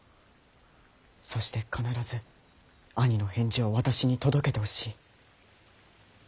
そして必ず兄の返事を私に届けてほしい。